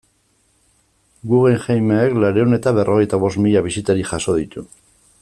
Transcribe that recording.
Guggenheimek laurehun eta berrogeita bost mila bisitari jaso ditu.